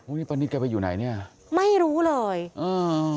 โอ้ยตอนนี้แกไปอยู่ไหนเนี้ยไม่รู้เลยอ่า